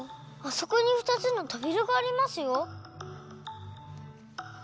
あそこにふたつのとびらがありますよ！